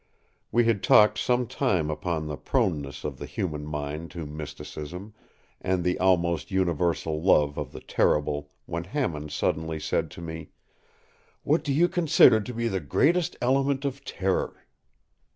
We had talked some time upon the proneness of the human mind to mysticism, and the almost universal love of the terrible, when Hammond suddenly said to me, “What do you consider to be the greatest element of terror?